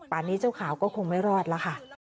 ป่านนี้เจ้าขาวก็คงไม่รอดละค่ะ